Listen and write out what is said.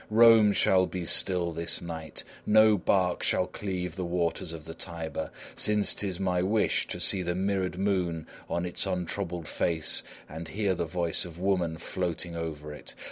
Rome shall be still this night; no barque shall cleave the waters of the Tiber, since 'tis my wish to see the mirrored moon on its untroubled face and hear the voice of woman floating over it.